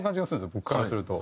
僕からすると。